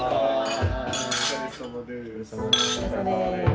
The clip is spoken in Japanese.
お疲れさまです。